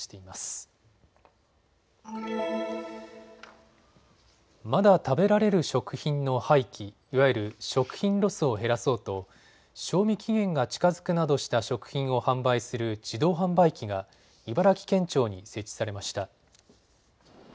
まだ食べられる食品の廃棄、いわゆる食品ロスを減らそうと賞味期限が近づくなどした食品を販売する自動販売機が茨城県庁に設置されました。